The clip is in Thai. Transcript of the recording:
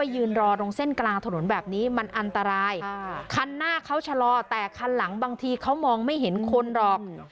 ยืนรอตรงเส้นกลางถนนแบบนี้มันอันตรายคันหน้าเขาชะลอแต่คันหลังบางทีเขามองไม่เห็นคนหรอก